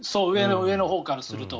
上のほうからすると。